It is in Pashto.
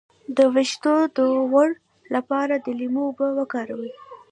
د ویښتو د غوړ لپاره د لیمو اوبه وکاروئ